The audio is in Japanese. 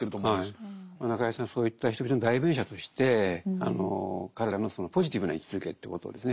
中井さんはそういった人々の代弁者として彼らのそのポジティブな位置づけということをですね